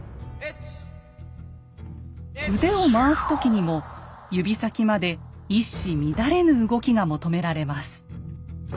腕を回す時にも指先まで一糸乱れぬ動きが求められます。